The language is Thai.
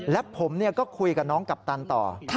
และผมก็คุยกับน้องกัปตันต่อ